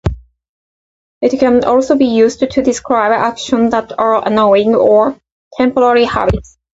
It can also be used to describe actions that are annoying or temporary habits.